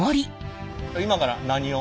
今から何を？